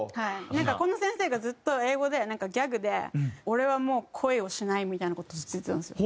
なんかこの先生がずっと英語でなんかギャグで俺はもう恋をしないみたいな事をずっと言ってたんですよ。